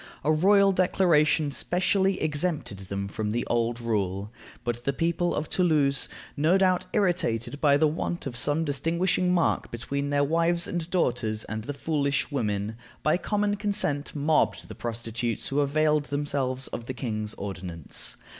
A royal declaration specially exempted them from the old rule. But the people of Toulouse, no doubt irritated by the want of some distinguishing mark between their wives and daughters and the "foolish women," by common consent mobbed the prostitutes who availed themselves of the king's ordinance.